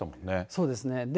そうですね。